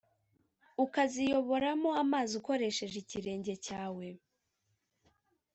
ukaziyoboramo amazi ukoresheje ikirenge cyawe,